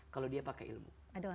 kalau dia pakai ilmu